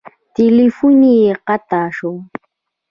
تیلفون یې قطع شو.